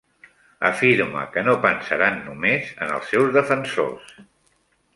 Afirma que no pensaran només en els seus defensors.